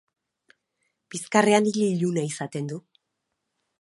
Bizkarrean ile iluna izaten du.